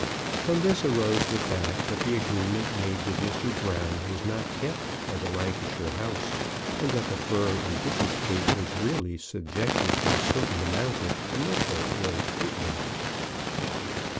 From this arose the fact that the agreement made with Mr. Brown was not kept by the Lancashire house, and that the firm in Bishopsgate was really subjected to a certain amount of commercial ill treatment.